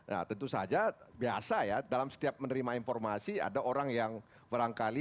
nah tentu saja biasa ya dalam setiap menerima informasi ada orang yang barangkali